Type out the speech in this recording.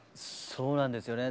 そうなんですよね。